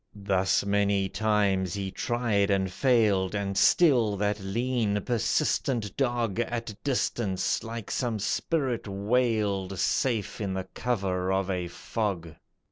Thus many times he tried and failed, And still that lean, persistent dog At distance, like some spirit wailed, Safe in the cover of a fog.